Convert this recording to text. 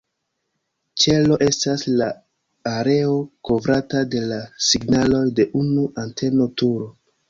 Ĉelo estas la areo kovrata de la signaloj de unu anteno-turo.